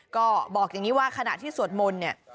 ก็บอกอย่างนี้ว่าขณะที่สวดมนต์เนี่ย